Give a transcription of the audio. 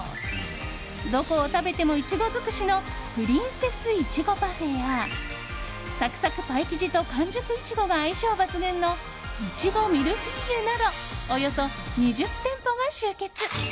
どこを食べてもイチゴ尽くしのプリンセスいちごパフェやサクサクパイ生地と完熟イチゴが相性抜群のいちごミルフィーユなどおよそ２０店舗が集結。